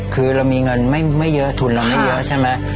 คือเรามีเงินไม่เยอะทุนเราไม่เยอะใช่ไหม